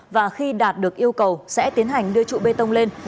và khi đạt được yêu cầu sẽ tiến hành đưa trụ bê tông lên